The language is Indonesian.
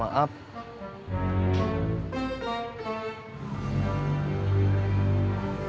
ya udah aku mau